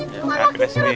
ya beres nih